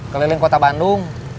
keliling kota bandung